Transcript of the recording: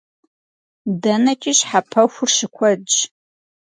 ДэнэкӀи щхьэпэхур щыкуэдщ.